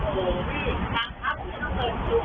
โถ่บีต่างมาแล้ว